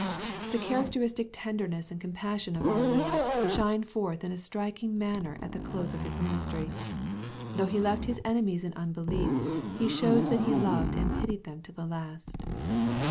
The characteristic tenderness and compassion of our Lord^ shine forth in a striking manner at the close of His ministry. ^Though He le ft Hj s enemies in unbelief, He shows that He loved and pitied them to the last.